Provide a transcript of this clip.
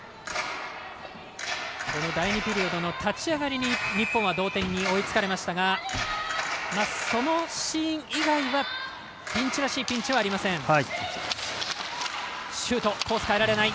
第２ピリオドの立ち上がりに日本は同点に追いつかれましたがそのシーン以外はピンチらしいピンチはありません。